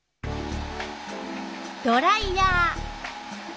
ドライヤー。